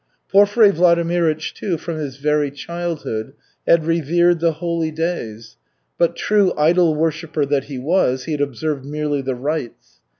Porfiry Vladimirych, too, from his very childhood, had revered the "holy days," but, true idol worshipper that he was, he had observed merely the rites.